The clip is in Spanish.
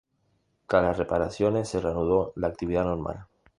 Tras las reparaciones, se reanudó la actividad normal.